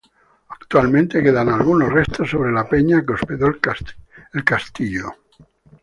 Actualmente quedan algunos restos, sobre la peña que hospedó el castillo.